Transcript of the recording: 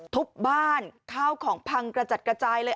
ทุบบ้านข้าวของพังกระจัดกระจายเลย